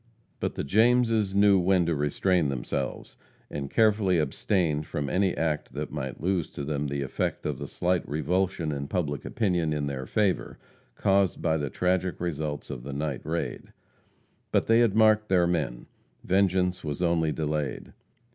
But the Jameses knew when to restrain themselves, and carefully abstained from any act that might lose to them the effect of the slight revulsion in public opinion in their favor caused by the tragic results of the night raid. But they had marked their men vengeance was only delayed.